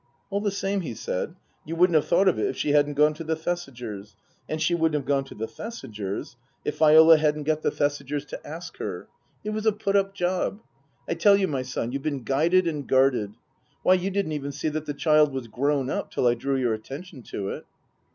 " All the same," he said, " you wouldn't have thought of it if she hadn't gone to the Thesigers. And she wouldn't have gone to the Thesigers if Viola hadn't got the Thesigers Book II : Her Book 167 to ask her. It was a put up job. I tell you, my son, you've been guided and guarded. Why, you didn't even see that the child was grown up till I drew your attention to it."